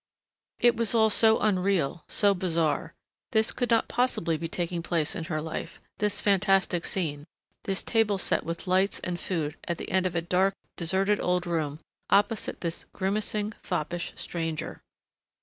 It was all so unreal, so bizarre. This could not possibly be taking place in her life, this fantastic scene, this table set with lights and food at the end of a dark, deserted old room opposite this grimacing, foppish stranger....